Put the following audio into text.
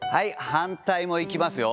反対もいきますよ。